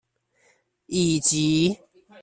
以及